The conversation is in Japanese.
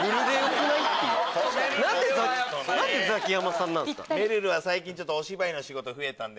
何でザキヤマさんなんすか？